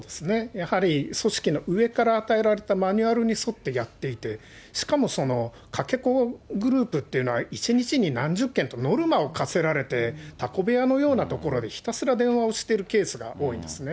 やはり、組織の上から与えられたマニュアルに沿ってやっていて、しかもそのかけ子グループっていうのは、１日に何十件とノルマを課せられて、たこ部屋のような所でひたすら電話をしてるケースが多いんですね。